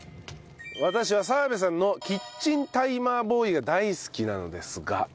私は澤部さんのキッチンタイマーボーイが大好きなのですが。